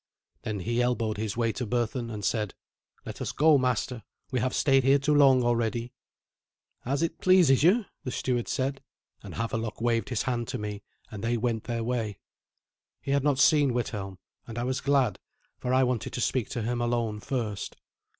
Then he elbowed his way to Berthun, and said, "let us go, master; we have stayed here too long already." "As it pleases you," the steward said; and Havelok waved his hand to me, and they went their way. He had not seen Withelm, and I was glad, for I wanted to speak to him alone first.